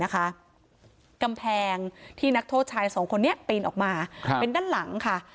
กำแพงที่นักโทษชายสองคนนี้ปีนออกมาเป็นด้านหลังค่ะ